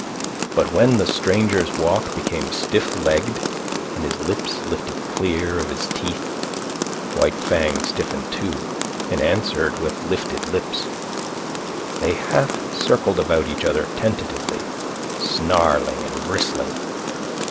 But when the strangers walk became stiff legged and his lips lifted clear of his teeth, White Fang stiffened too, and answered with lifted lips. They half circled about each other, tentatively, snarling and bristling.